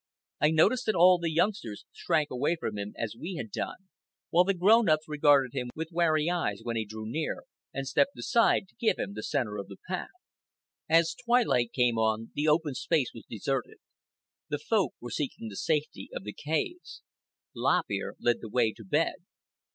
I noticed that all the youngsters shrank away from him as we had done, while the grown ups regarded him with wary eyes when he drew near, and stepped aside to give him the centre of the path. As twilight came on, the open space was deserted. The Folk were seeking the safety of the caves. Lop Ear led the way to bed.